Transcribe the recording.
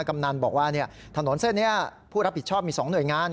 กำนันบอกว่าถนนเส้นนี้ผู้รับผิดชอบมี๒หน่วยงาน